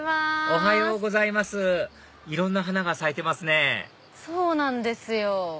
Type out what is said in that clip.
おはようございますいろんな花が咲いてますねそうなんですよ。